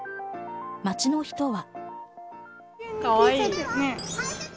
街の人は。